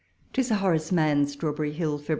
To Sir Horace Mann. Strawberry Hill, Feb.